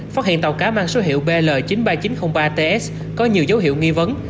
phát hiện tàu cá mang số hiệu bl chín mươi ba nghìn chín trăm linh ba ts có nhiều dấu hiệu nghi vấn